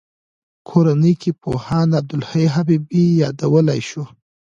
کورنیو کې پوهاند عبدالحی حبیبي یادولای شو.